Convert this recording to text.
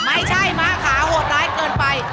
ไม่ใช่ม้าขาโหดร้ายเกินไป